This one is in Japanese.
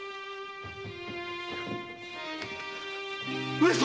上様！